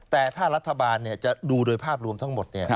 แต่ถ้ารัฐบาลจะดูโดยภาพรวมทั้งหมด